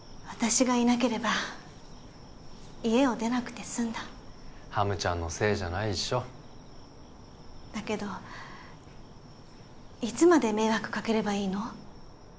私がいなければ家を出なくて済んだハムちゃんのせいじゃないでしょだけどいつまで迷惑かければいいの？